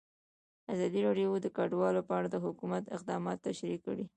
ازادي راډیو د کډوال په اړه د حکومت اقدامات تشریح کړي.